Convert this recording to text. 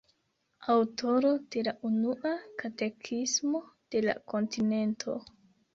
Aŭtoro de la unua katekismo de la Kontinento.